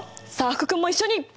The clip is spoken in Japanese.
福君も一緒に！